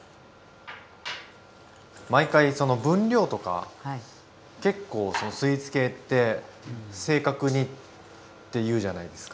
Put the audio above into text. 毎回その分量とか結構スイーツ系って正確にっていうじゃないですか。